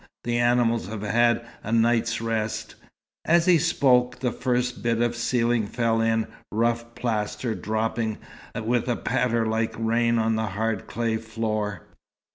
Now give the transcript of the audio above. The animals have had a night's rest." As he spoke, the first bit of ceiling fell in, rough plaster dropping with a patter like rain on the hard clay floor.